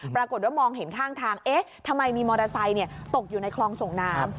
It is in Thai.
ปรากฏว่ามองเห็นข้างทางเอ๊ะทำไมมีมอเตอร์ไซค์ตกอยู่ในคลองส่งน้ำ